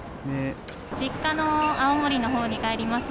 実家の青森のほうに帰ります。